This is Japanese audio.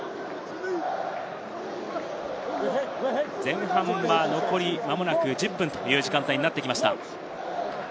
前半、残りまもなく１０分という時間帯になってきました。